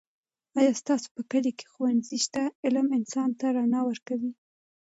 آیا ستاسو په کلي کې ښوونځی شته؟ علم انسان ته رڼا ورکوي.